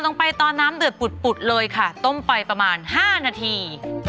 ลงไปตอนน้ำเดือดปุดเลยค่ะต้มไปประมาณ๕นาที